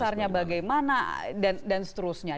dasarnya bagaimana dan seterusnya